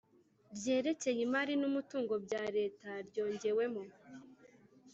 ryerekeye imari n umutungo bya Leta ryongewemo